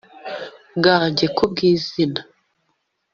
Bwanjye ku bw izina